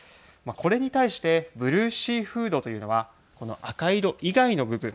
これに対してブルーシーフードというのはこの赤色以外の部分。